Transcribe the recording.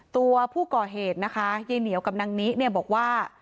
ตัวผู้ก่อเหตุนะคะยายเหนียวกับนางนิเนี่ยบอกว่า